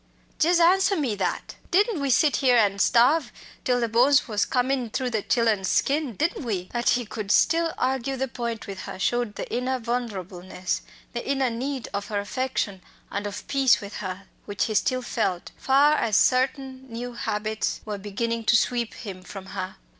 jes' answer me that! Didn't we sit here an' starve, till the bones was comin' through the chillen's skin? didn't we?" That he could still argue the point with her showed the inner vulnerableness, the inner need of her affection and of peace with her, which he still felt, far as certain new habits were beginning to sweep him from her.